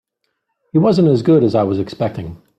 He wasn't as good as I was expecting.